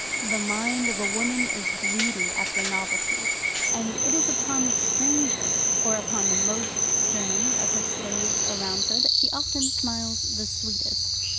The mind of a woman is greedy after novelty, and it is upon the stranger, or upon the most strange of her slaves around her, that she often smiles the sweetest.